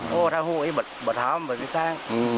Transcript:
ถ้าหู้บอกทำบอกไม่แส้ง